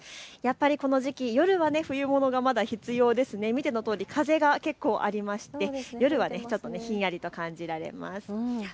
この時期、夜は冬物がまだ必要ですので見てのとおり風が結構ありまして夜はひんやりと感じられます。